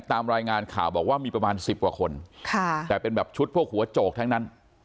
ตามรายงานข่าวบอกว่ามีประมาณสิบกว่าคนค่ะแต่เป็นแบบชุดพวกหัวโจกทั้งนั้น